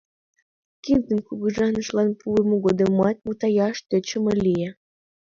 Киндым кугыжанышлан пуымо годымат мутаяш тӧчымӧ лие.